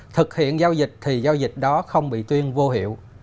thực hiện giao dịch thì giao dịch đó không bị tuyên vô hiệu